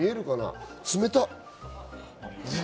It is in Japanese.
冷たい。